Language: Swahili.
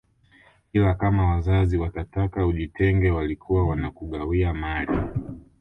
Ila kama wazazi watataka ujitenge walikuwa wanakugawia mali